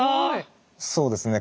そうですね。